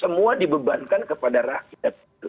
semua dibebankan kepada rakyat